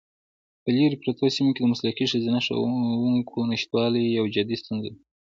په لیرې پرتو سیمو کې د مسلکي ښځینه ښوونکو نشتوالی یوه جدي ستونزه ده.